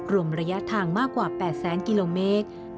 รวมระยะทางมากกว่า๘แสนกิโลเมตร